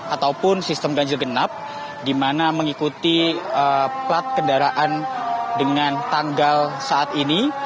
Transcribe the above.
ataupun sistem ganjil genap di mana mengikuti plat kendaraan dengan tanggal saat ini